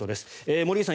森内さん